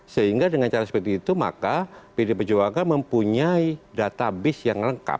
sehingga dengan cara seperti itu maka pdi perjuangan mempunyai database yang lengkap